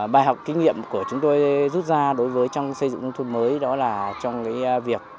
bài học kinh nghiệm của chúng tôi rút ra đối với trong xây dựng nông thôn mới đó là trong việc